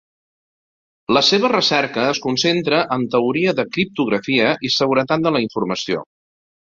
La seva recerca es concentra en teoria de criptografia i seguretat de la informació.